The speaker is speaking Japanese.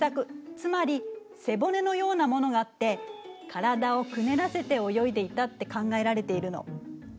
つまり背骨のようなものがあって体をくねらせて泳いでいたって考えられているの。